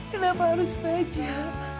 kenapa harus baja